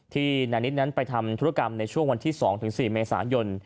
นานิดนั้นไปทำธุรกรรมในช่วงวันที่๒๔เมษายน